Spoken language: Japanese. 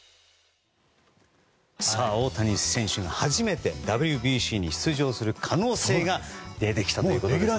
大谷選手が初めてＷＢＣに出場する可能性が出てきたということですね。